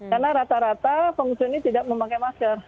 karena rata rata pengungsi ini tidak memakai masker